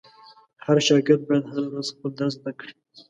هر شاګرد باید هره ورځ خپل درس زده کړي.